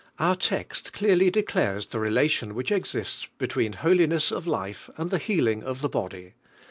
Our text clearly declares the relation which exists between holiness of life and the healing of the body.